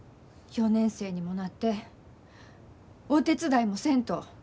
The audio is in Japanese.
４年生にもなってお手伝いもせんと。